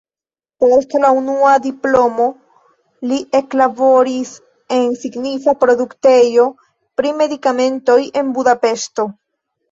Post la unua diplomo li eklaboris en signifa produktejo pri medikamentoj en Budapeŝto.